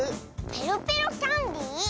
ペロペロキャンディー？